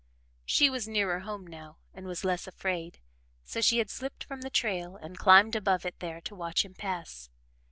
She was nearer home now and was less afraid; so she had slipped from the trail and climbed above it there to watch him pass.